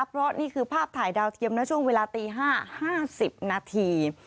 เพราะนี่คือภาพถ่ายดาวเทียมนะช่วงเวลาตี๕๕๐นาที